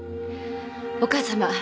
お母さま